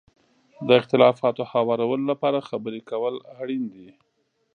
د اختلافاتو هوارولو لپاره خبرې کول اړین دي.